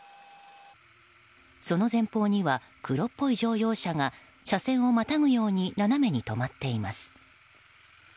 その前方には黒っぽい乗用車が車線をまたぐように斜めに止まっています。